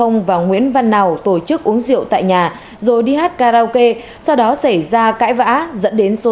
công an huyện an phú đã ra quy định truy nã đối với tới về tội cố ý gây thương tích